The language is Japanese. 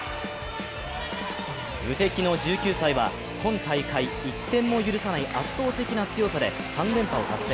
無敵の１９歳は今大会１点も許さない圧倒的な強さで３連覇を達成。